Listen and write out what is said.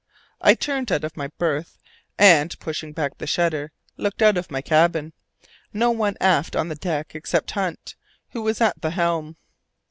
I turned out of my berth, and, pushing back the shutter, looked out of my cabin. No one aft on the deck, except Hunt, who was at the helm.